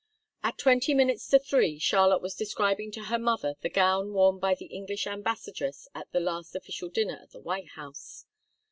At twenty minutes to three Charlotte was describing to her mother the gown worn by the English ambassadress at the last official dinner at the White House.